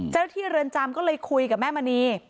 เจ้าที่เรือนจำก็เลยคุยกับแม่มณี